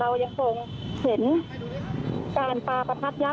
เพราะตอนนี้ก็ไม่มีเวลาให้เข้าไปที่นี่